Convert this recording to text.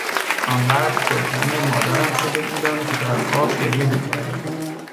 آنقدر دلتنگ مادرم شده بودم که در خواب گریه میکردم.